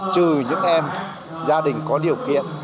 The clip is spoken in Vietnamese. trừ những em gia đình có điều kiện